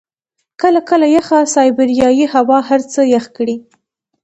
کله کله یخه سایبریايي هوا هر څه يخ کړي.